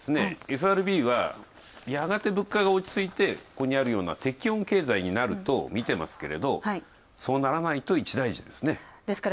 ＦＲＢは、やがて物価が落ち着いて、ここにあるような適温経済になるとみてますけれど、そうならないと一大事ですね。